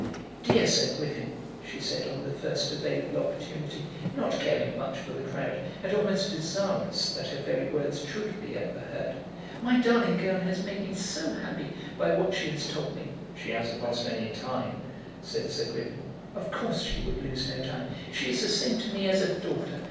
"Dear Sir Griffin," she said on the first available opportunity, not caring much for the crowd, and almost desirous that her very words should be overheard, "my darling girl has made me so happy by what she has told me." "She hasn't lost any time," said Sir Griffin. "Of course she would lose no time. She is the same to me as a daughter.